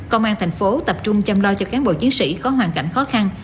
công an tp hcm tập trung chăm lo cho cán bộ chiến sĩ có hoàn cảnh khó khăn